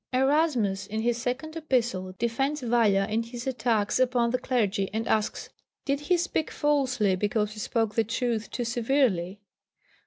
Erasmus in his Second Epistle defends Valla in his attacks upon the clergy, and asks, "Did he speak falsely, because he spoke the truth too severely?"